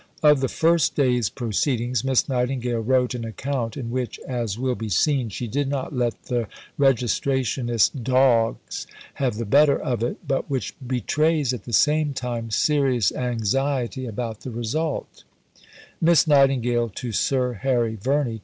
Of the first day's proceedings Miss Nightingale wrote an account in which, as will be seen, she did not let the Registrationist dogs have the better of it, but which betrays at the same time serious anxiety about the result: (_Miss Nightingale to Sir Harry Verney.